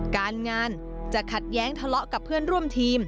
การงานจะขัดแย้งทะเลาะกับเพื่อนร่วมทีม